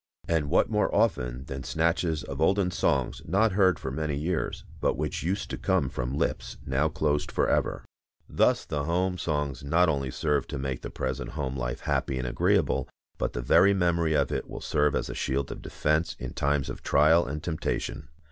And what more often than snatches of olden songs not heard for many years, but which used to come from lips now closed forever? Thus the home songs not only serve to make the present home life happy and agreeable, but the very memory of it will serve as a shield of defense in times of trial and temptation.